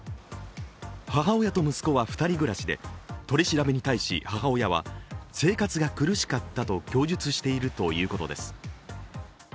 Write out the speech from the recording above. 母親と息子は２人暮らしで、取り調べに対し母親は、生活が苦しかったと供述しているということです。